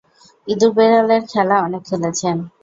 ইঁদুর-বিড়ালের খেলা অনেক খেলেছেন।